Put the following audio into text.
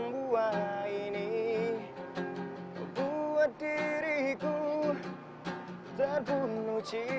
ku akui memang ku salah